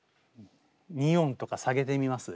２音とか下げてみます？